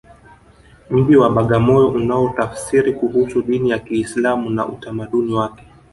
mji wa bagamoyo unaotafsiri kuhusu dini ya kiislamu na utamaduni wake